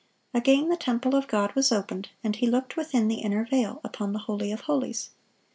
Again, "the temple of God was opened,"(676) and he looked within the inner veil, upon the holy of holies.